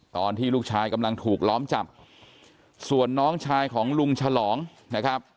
ตอนที่ลูกชายกำลังถูกล้อมจับส่วนน้องชายของลุงฉลองนะครับ